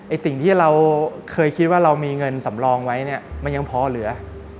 สิ่งที่เราเคยคิดว่าเรามีเงินสำรองไว้เนี่ยมันยังพอเหลือ